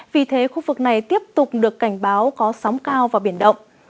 vì thế khu vực này tiếp tục được cảnh báo có sóng cao và biển động